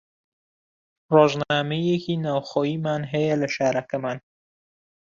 ڕۆژنامەیەکی ناوخۆییمان هەیە لە شارەکەمان